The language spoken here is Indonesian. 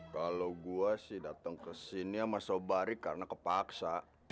kalau gue sih datang kesini sama sobari karena kepaksa